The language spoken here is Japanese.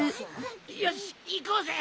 よしいこうぜ。